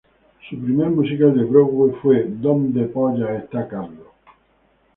Su primer musical de Broadway fue "Where's Charley?